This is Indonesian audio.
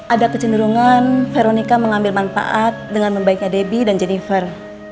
ada kecenderungan veronica mengambil manfaat dengan membaiknya debbie dan jennifer